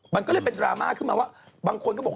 มันก็เลยเป็นดราม่าขึ้นมาว่าบางคนก็บอก